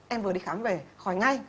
em vừa đi khám về khỏi ngay